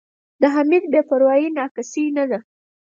د حمید بې پروایي نا کسۍ نه ده.